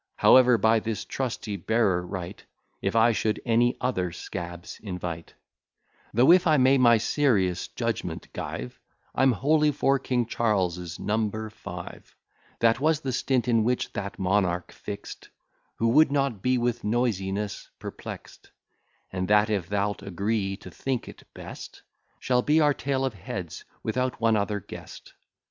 However, by this trusty bearer write, If I should any other scabs invite; Though, if I may my serious judgment give, I'm wholly for King Charles's number five: That was the stint in which that monarch fix'd, Who would not be with noisiness perplex'd: And that, if thou'lt agree to think it best, Shall be our tale of heads, without one other guest.